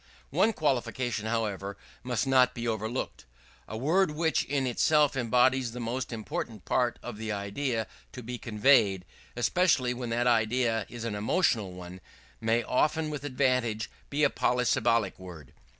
One qualification, however, must not be overlooked. A word which in itself embodies the most important part of the idea to be conveyed, especially when that idea is an emotional one, may often with advantage be a polysyllabic word.